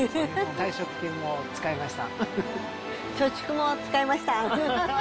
退職金も使いました。